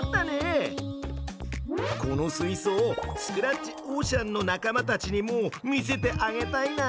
このすいそうスクラッチオーシャンの仲間たちにも見せてあげたいな！